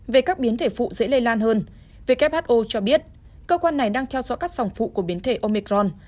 về các biến thể phụ dễ lây lan hơn who cho biết cơ quan này đang theo dõi các sòng phụ của biến thể omecron